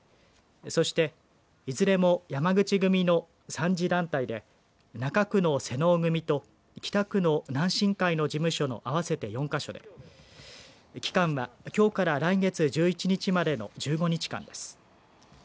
そして、いずれも山口組の３次団体で中区の妹尾組と北区の南進会の事務所の合わせて４か所で期間は、きょうから来月１１日までの１５日間です。